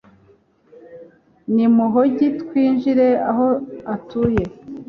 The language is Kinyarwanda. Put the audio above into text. nimuhogi twinjire aho atuye